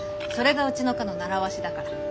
それがうちの課の習わしだから。